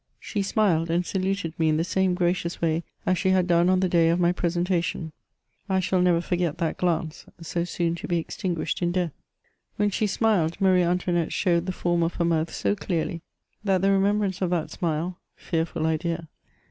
She smiled, and saluted me in the same gracious way as she had done on the day of my presentation. — I shall never forget that glance, so soon to be exting^shed in death. When she smiled, Marie Antoinette showed the form of her mouth so clearly, that the remembrance of q2 208 ' MEMOIRffOF that smile (fearful idea